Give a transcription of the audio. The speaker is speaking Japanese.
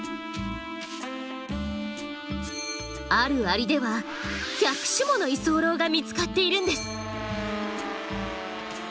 あるアリでは１００種もの居候が見つかっているんです。